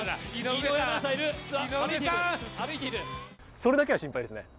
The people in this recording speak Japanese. それだけは心配ですね。